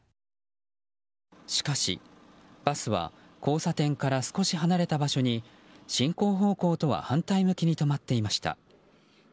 しかし、バスは交差点から少し離れた場所に進行方向とは反対向きに止まっていました。